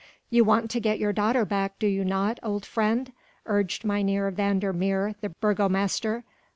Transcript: "You want to get your daughter back, do you not, old friend?" urged Mynheer van der Meer the burgomaster.